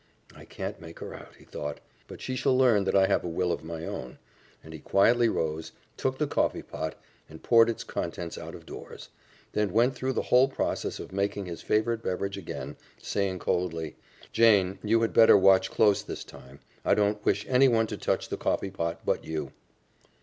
"I can't make her out," he thought, "but she shall learn that I have a will of my own," and he quietly rose, took the coffeepot, and poured its contents out of doors; then went through the whole process of making his favorite beverage again, saying coldly, "Jane, you had better watch close this time. I don't wish anyone to touch the coffeepot but you."